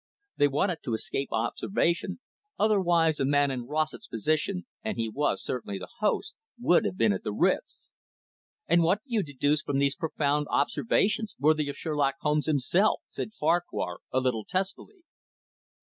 They wanted to escape observation, otherwise a man in Rossett's position, and he was certainly the host, would have been at the Ritz." "And what do you deduce from these profound observations, worthy of Sherlock Holmes himself?" asked Farquhar a little testily.